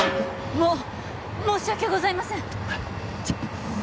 も申し訳ございません！